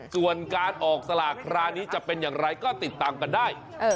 ส่วนการออกสลากคราวนี้จะเป็นอย่างไรก็ติดตามกันได้